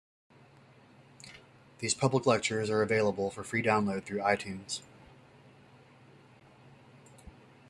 These public lectures are available for free download through iTunes.